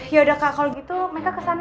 yaudah kak kalau gitu meka kesana ya